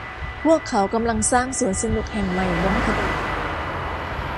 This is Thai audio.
พวกเขากำลังสร้างสวนสนุกแห่งใหม่บนถนน